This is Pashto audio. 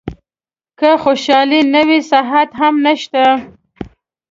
که خوشالي نه وي صحت هم نشته .